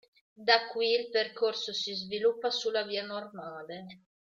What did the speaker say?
Da qui il percorso si sviluppa sulla via normale.